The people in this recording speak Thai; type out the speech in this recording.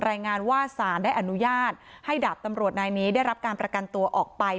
รายงานว่าสารได้อนุญาตให้ดาบตำรวจนายนี้ได้รับการประกันตัวออกไป